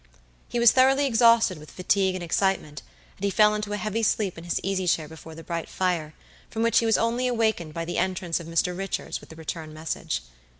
He was thoroughly exhausted with fatigue and excitement, and he fell into a heavy sleep in his easy chair before the bright fire, from which he was only awakened by the entrance of Mr. Richards with the return message.